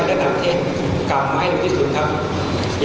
ต่างสักนิดหนึ่งไหมฮะ